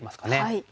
はい。